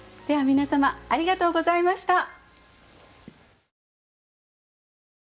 では皆様ありがとうございました。